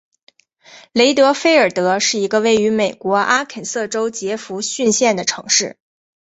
雷德菲尔德是一个位于美国阿肯色州杰佛逊县的城市。